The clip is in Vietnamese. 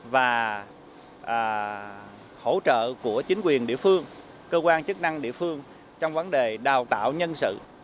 và hỗ trợ của chính quyền địa phương cơ quan chức năng địa phương trong vấn đề đào tạo nhân sự